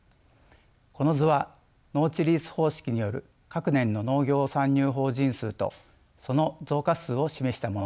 この図は農地リース方式による各年の農業参入法人数とその増加数を示したものです。